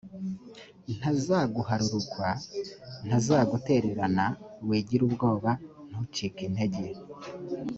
ntazaguharurukwa, ntazagutererana. wigira ubwoba, ntucike intege.»